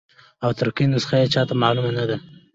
او ترکي نسخه یې چاته معلومه نه ده.